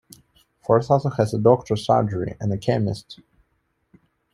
Forth also has a doctors' surgery and a chemist.